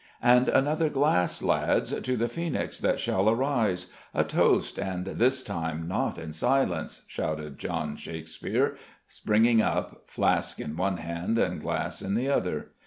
"And another glass, lads, to the Phoenix that shall arise! A toast, and this time not in silence!" shouted John Shakespeare, springing up, flask in one hand and glass in the other.